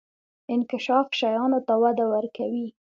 انکشاف شیانو ته وده ورکوي.